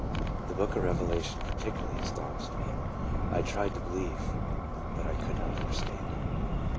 The book of Revelation particularly aston ished me. I tried to believe, but I could not understand it.